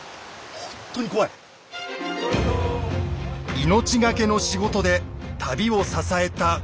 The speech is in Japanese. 命がけの仕事で旅を支えた川越人足。